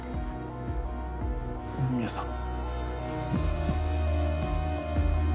二宮さん。